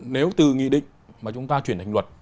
nếu từ nghị định mà chúng ta chuyển thành luật